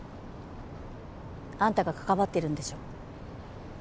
あんたが関わってるんでしょ。